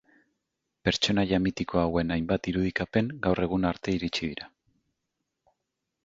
Pertsonaia mitiko hauen hainbat irudikapen gaur egun arte iritsi dira.